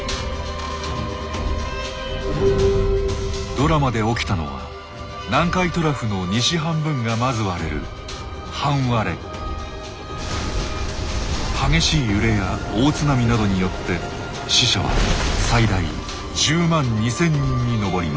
ドラマで起きたのは南海トラフの西半分がまず割れる激しい揺れや大津波などによって死者は最大１０万２，０００人に上ります。